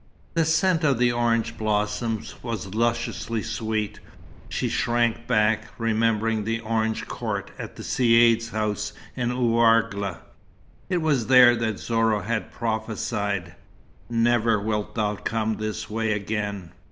The scent of the orange blossoms was lusciously sweet. She shrank back, remembering the orange court at the Caïd's house in Ouargla. It was there that Zorah had prophesied: "Never wilt thou come this way again."